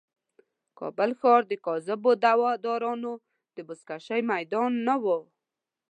کابل ښار د کاذبو دعوه دارانو د بزکشې میدان نه و.